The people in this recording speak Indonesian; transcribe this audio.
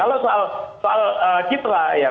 kalau soal citra ya